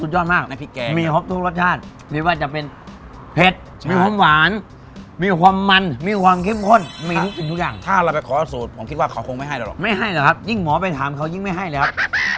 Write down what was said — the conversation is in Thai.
เขาคงไม่ให้แล้วหรอกไม่ให้แล้วครับยิ่งหมอไปถามเขายิ่งไม่ให้แล้วครับ